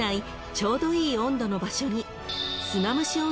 ちょうどいい温度の場所に］